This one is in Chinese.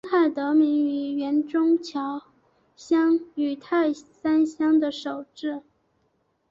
中泰得名于原中桥乡与泰山乡的首字。